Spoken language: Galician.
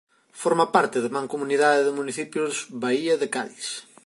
Forma parte da Mancomunidade de Municipios Baía de Cádiz.